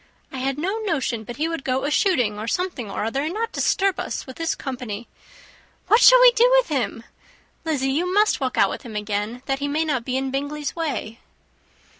I had no notion but he would go a shooting, or something or other, and not disturb us with his company. What shall we do with him? Lizzy, you must walk out with him again, that he may not be in Bingley's way."